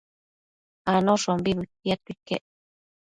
Anoshombi bëtiadquio iquec